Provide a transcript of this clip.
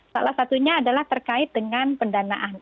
salah satunya adalah terkait dengan pendanaan